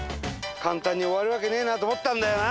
簡単に終わるわけねえなと思ったんだよな！